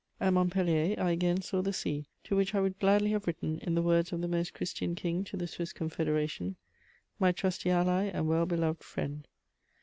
_" At Montpellier I again saw the sea, to which I would gladly have written in the words of the Most Christian King to the Swiss Confederation: "My trusty ally and well beloved friend."